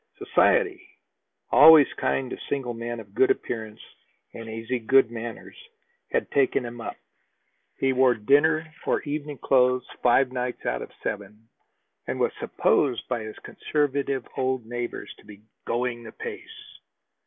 Society, always kind to single men of good appearance and easy good manners, had taken him up. He wore dinner or evening clothes five nights out of seven, and was supposed by his conservative old neighbors to be going the pace.